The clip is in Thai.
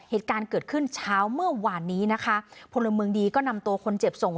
เหตุการณ์เกิดขึ้นเช้าเมื่อวานนี้นะคะพลเมืองดีก็นำตัวคนเจ็บส่ง